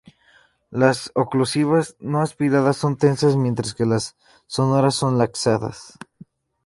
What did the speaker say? Las oclusivas no-aspiradas son tensas, mientras que las sonoras son laxas.